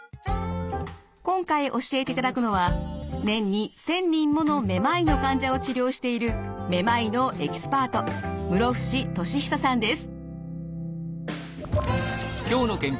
今回教えていただくのは年に１，０００人ものめまいの患者を治療しているめまいのエキスパート室伏利久さんです。